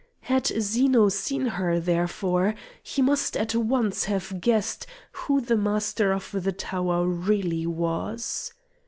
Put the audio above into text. Had Zeno seen her, therefore, he must at once have guessed who the Master of the tower really was.